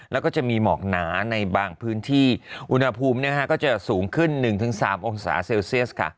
แล้วก็จะมีหมอกหนาในบางพื้นที่อุณหภูมิก็จะสูงขึ้น๑๓องศาเซลเซียสค่ะ